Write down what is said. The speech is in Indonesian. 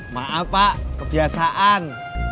maaf pak kebiasaan